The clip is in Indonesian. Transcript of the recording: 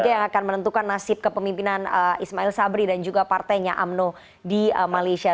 yang akan menentukan nasib kepemimpinan ismail sabri dan juga partainya umno di malaysia